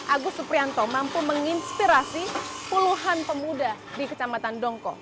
agus suprianto mampu menginspirasi puluhan pemuda di kecamatan dongko